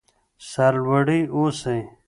سر لوړي اوسئ.